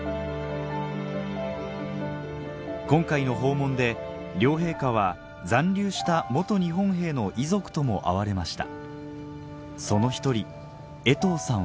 今回の訪問で両陛下は残留した日本兵の遺族とも会われました